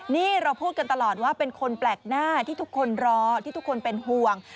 นี่เราพูดกันตลอดว่าเป็นคนแปลกหน้าที่ทุกคนรอที่ทุกคนเป็นห่วง